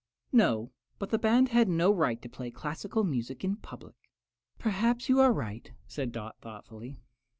"No, but the band had no right to play classical music in public." "Perhaps you are right," said Dot, thoughtfully.